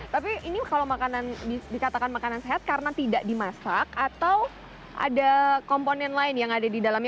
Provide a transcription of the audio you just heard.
tapi ini kalau makanan dikatakan makanan sehat karena tidak dimasak atau ada komponen lain yang ada di dalamnya